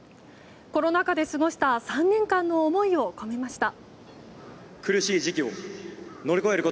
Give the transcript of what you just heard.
コロナ禍で過ごした３年間の思いを込めました。